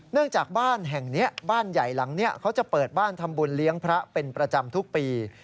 จากบ้านแห่งนี้บ้านใหญ่หลังนี้เขาจะเปิดบ้านทำบุญเลี้ยงพระเป็นประจำทุกปี